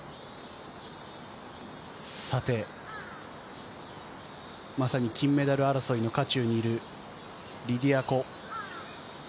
さて、まさに金メダル争いの渦中にいるリディア・コ。